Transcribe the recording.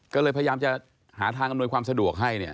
ก็เลยพยายามจะหาทางอำนวยความสะดวกให้เนี่ย